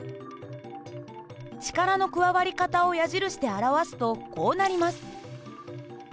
力の加わり方を矢印で表すとこうなります。